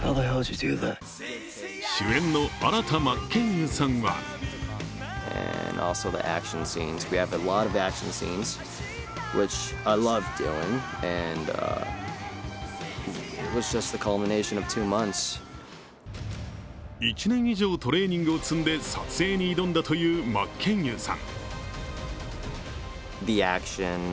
主演の新田真剣佑さんは１年以上トレーニングを積んで撮影に挑んだという真剣佑さん。